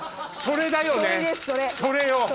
それだよねそれよ。